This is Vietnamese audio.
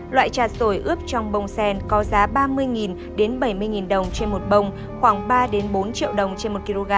loại trà sồi ướp trong bông sen có giá ba mươi bảy mươi đồng trên một bông khoảng ba bốn triệu đồng trên một kg